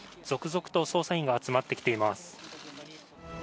続々と捜査員が集まってきています。